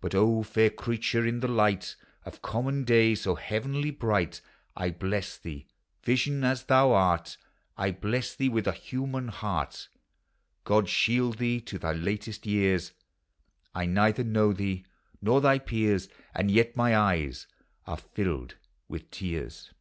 But U fair Creature! in the light Of common day so heavenly bright, I bless thee, Vision as thou art, 1 bless thee with a human heart: God shield thee to thv latest vears! I neither know thee nor thy peers; And yet my eyes are tilled with tears.